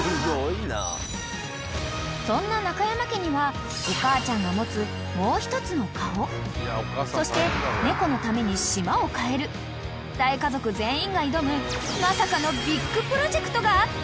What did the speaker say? ［そんな中山家にはお母ちゃんが持つもう一つの顔そして猫のために島を変える大家族全員が挑むまさかの］